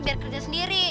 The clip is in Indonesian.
biar kerja sendiri